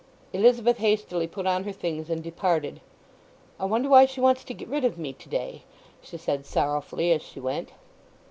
Elizabeth hastily put on her things and departed. "I wonder why she wants to get rid of me to day!" she said sorrowfully as she went.